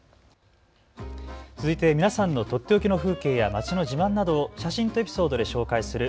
続いて皆さんのとっておきの風景や街の自慢などを写真とエピソードで紹介する＃